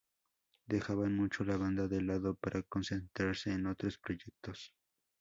Dejaban mucho la banda de lado para concentrarse en otros proyectos.